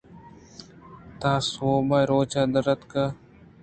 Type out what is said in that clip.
تاں سُہب ءَ روچ دراتک